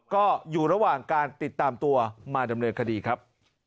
ก็อยู่ระหว่างการติดตามตัวมาดำเนินคดีครับ